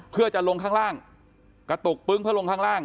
เพื่อจะลงข้างล่างกระตุกปึ้งเพื่อลงข้างล่าง